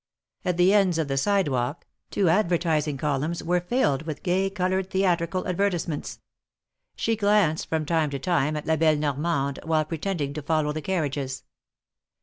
At the ends of the sidewalk, two advertising columns were filled with gay colored theatrical advertisements. She glanced from time to time at La belle Normande, while pretending to follow the carriages.